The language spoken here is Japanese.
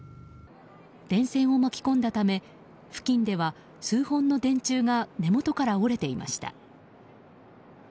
電線を巻き込んだため付近では数本の電柱が根元から折れていました。